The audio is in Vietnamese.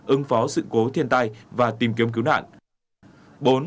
ứng phó sự cố thiên tai và tìm kiếm cứu nạn